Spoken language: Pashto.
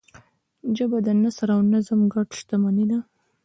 ژبه د نثر او نظم ګډ شتمنۍ ده